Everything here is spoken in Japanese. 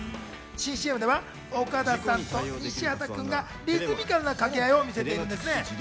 新ＣＭでは岡田さんと西畑君がリズミカルな掛け合いを見せているんですね。